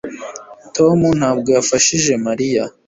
tom ntabwo yafashije mariya